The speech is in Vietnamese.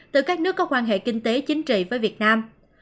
từ các nước có quan hệ kinh tế chính trị với việt nam